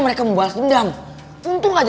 ya ini nyumput nyumput ya nyonya